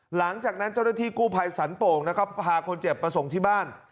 หลังจากนั้นเจ้าหน้าที่กู้ภัยสันโป่งนะครับพาคนเจ็บมาส่งที่บ้าน